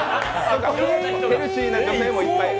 ヘルシーな女性もいっぱいいると。